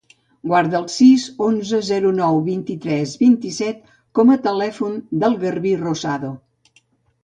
Guarda el sis, onze, zero, nou, vint-i-tres, vint-i-set com a telèfon del Garbí Rosado.